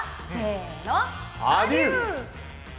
アデュー！